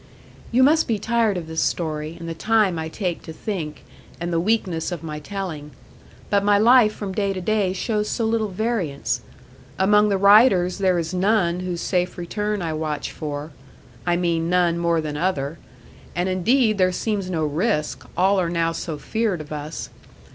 'You must be tired of this story, and the time I take to think, and the weakness of my telling; but my life from day to day shows so little variance. Among the riders there is none whose safe return I watch for I mean none more than other and indeed there seems no risk, all are now so feared of us.